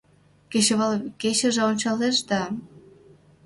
Кечывал кечыже ончалеш да